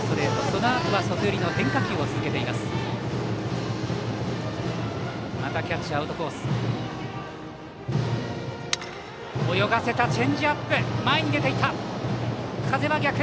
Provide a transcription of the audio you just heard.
そのあとは外寄りの変化球を続けました。